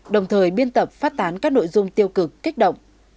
đồng thời biên tập phát tán các nội dung tiêu cực kích động